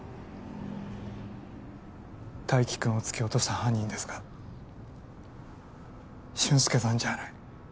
泰生君を突き落とした犯人ですが俊介さんじゃない。